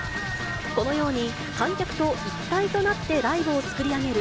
このように観客と一体となってライブを作り上げる